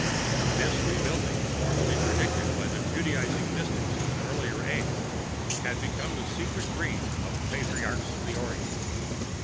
"This re building, formally predicted by the Juda├»zing Mystics of the earlier ages, had become the secret dream of the Patriarchs of the Orient.